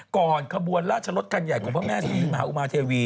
ก่อนขบวนราชรถครรรค์ใหญ่ของพระแม่ทีอุณหาว์มาทีตี